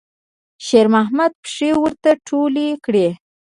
شېرمحمد پښې ور ټولې کړې.